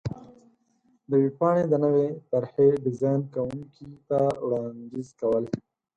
-د ویبپاڼې د نوې طر حې ډېزان کوونکي ته وړاندیز کو ل